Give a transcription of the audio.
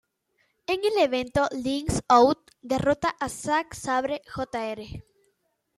En el evento "Lights Out derrota a Zack Sabre Jr.